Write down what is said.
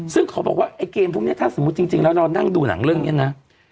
ซึ่งขอบอกว่าไอ้เกมพวกนี้ถ้าสมมุติจริงแล้วเรานั่งดูหนังเรื่องนี้นะ